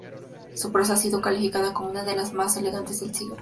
Su prosa ha sido calificada como una de las más elegantes del siglo.